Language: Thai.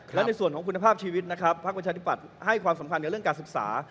และในส่วนของคุณภาพชีวิตนะครับพักประชาธิปัตย์ให้ความสำคัญกับเรื่องการศึกษา